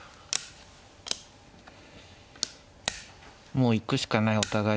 もう行くしかないお互いね。